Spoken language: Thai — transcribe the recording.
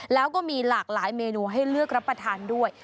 แล้วก็มีหลากหลายเมนูให้เลือกรับประทานด้วย